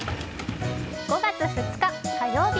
５月２日火曜日